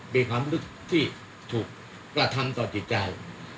มีคำนึกที่ถูกกระทำตัวจิตใจ